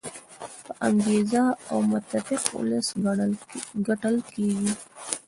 با انګیزه او متفق ولس ګټل کیږي.